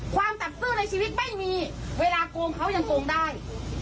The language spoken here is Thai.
ความตับซื่อในชีวิตไม่มีเวลาโกงเขายังโกงได้